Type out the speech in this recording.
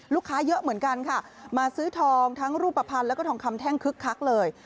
เยอะเหมือนกันค่ะมาซื้อทองทั้งรูปภัณฑ์แล้วก็ทองคำแท่งคึกคักเลย